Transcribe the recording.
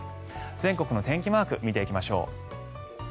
全国の天気マーク見ていきましょう。